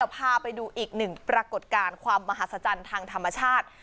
พาไปดูอีกหนึ่งปรากฏการณ์ความมหัศจรรย์ทางธรรมชาติ